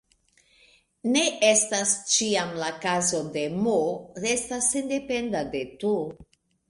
Ne estas ĉiam la kazo ke "m" estas sendependa de "t".